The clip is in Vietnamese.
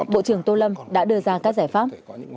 bộ trưởng tô lâm đã đưa ra các giải pháp